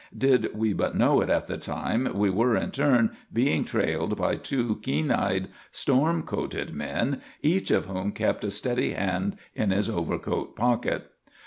Did we but know it at the time, we were in turn being trailed by two keen eyed, storm coated men, each of whom kept a ready hand in his overcoat pocket.